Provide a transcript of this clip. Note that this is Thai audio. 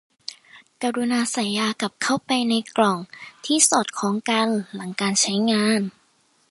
กรุณาใส่ยากลับเข้าไปในกล่องที่สอดคล้องกันหลังการใช้งาน